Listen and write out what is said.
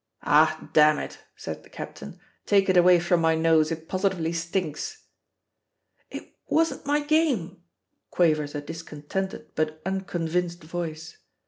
"'Ah, damn it,' said the captain, 'take it away from my nose, it positively stinks.'" "It wasn't my game," quavers a discontented but unconvinced voice.